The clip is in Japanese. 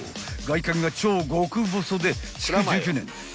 外観が超極細で築１９年］